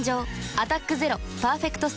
「アタックＺＥＲＯパーフェクトスティック」